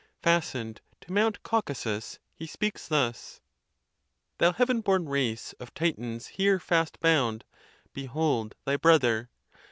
Fastened to Mount Caucasus, he speaks thus : Thou heav'n born race of Titans here fast bound, Behold thy brother!